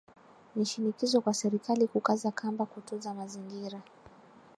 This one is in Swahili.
Ni shinikizo kwa serikali kukaza kamba kutunza mazingira